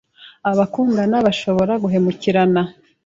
abakundana bashobora guhemukirana